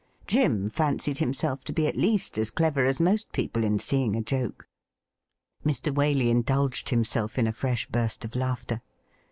Jim fancied himself to be at least as clever as most people in seeing a joke. Mr. Waley indulged himself in a fresh burst of laughter.